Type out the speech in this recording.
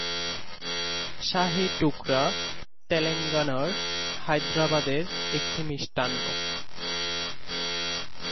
শাহী টুকরা তেলেঙ্গানার হায়দ্রাবাদের একটি মিষ্টান্ন।